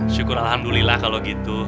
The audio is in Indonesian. syukur allah alhamdulillah kalo gitu